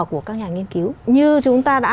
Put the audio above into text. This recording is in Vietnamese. của các nhà nghiên cứu như chúng ta đã